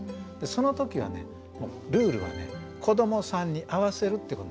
その時はねルールはね子どもさんに合わせるってことなんですよ。